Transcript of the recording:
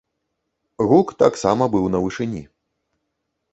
Гук таксама быў на вышыні.